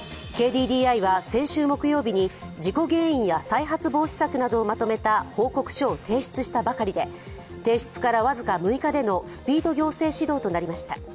ＫＤＤＩは先週木曜日に事故原因や再発防止策などをまとめた報告書を提出したばかりで提出から僅か６日でのスピード行政指導となりました。